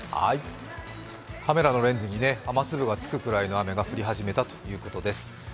カメラのレンズに雨粒がつくくらいの雨が降り始めたということです。